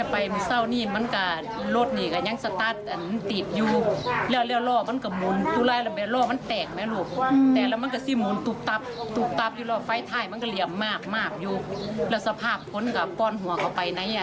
เพราะว่าเหตุการณ์เป็นอยู่ไหนนะ